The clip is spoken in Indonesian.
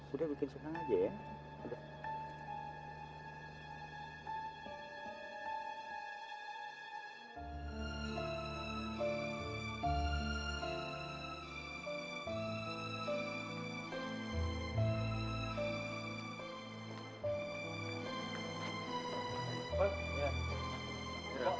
udah bikin sekarang aja ya